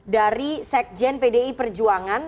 dari sekjen pdi perjuangan